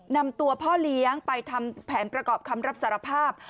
นำตัวพ่อเลี้ยงไปทำแผนประกอบคำรับสารภาพ